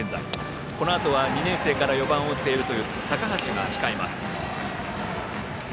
このあとは２年生から４番を打っているという高橋が控えます。